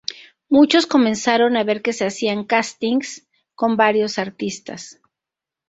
Muchos comenzaron a ver que se hacían "castings" con varios artistas.